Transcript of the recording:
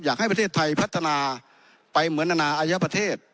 อยากให้ประเทศไทยพัฒนาไปเหมือนอนาอายประเทศ